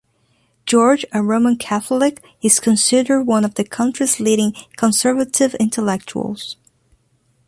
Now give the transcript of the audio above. George, a Roman Catholic, is considered one of the country's leading conservative intellectuals.